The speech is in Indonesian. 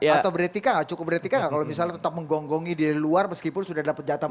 atau beretika cukup beretika nggak kalau misalnya tetap menggonggonggi di luar meskipun sudah dapat jatah